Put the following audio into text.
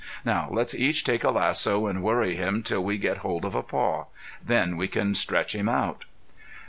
Now, let's each take a lasso and worry him till we get hold of a paw. Then we can stretch him out."